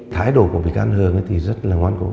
thái độ của bị can hường thì rất là ngoan cố